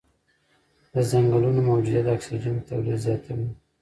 د ځنګلونو موجودیت د اکسیجن تولید زیاتوي.